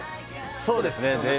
そうですね。